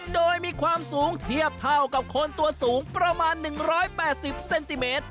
โดยมีความสูงเทียบเท่ากับคนตัวสูงประมาณหนึ่งร้อยแปดสิบเซนติเมตร